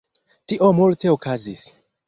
Tio multe okazis